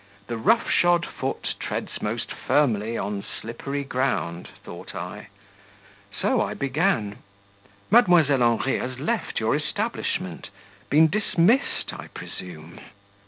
"The rough shod foot treads most firmly on slippery ground," thought I; so I began: "Mademoiselle Henri has left your establishment been dismissed, I presume?"